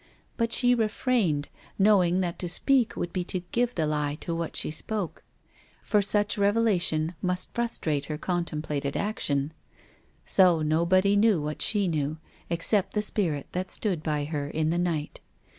But she refrained, know ing that to speak would be to give the lie to what she spoke. For such revelation must frustrate her contemplated action. So nobody knew what she knew, except the spirit that stood by her in the night.